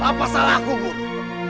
apa salahku guru